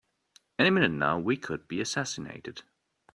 Any minute now we could be assassinated!